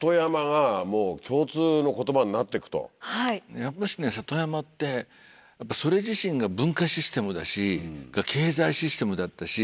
やっぱり里山ってそれ自身が文化システムだし経済システムだったし。